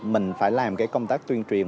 mình phải làm cái công tác tuyên truyền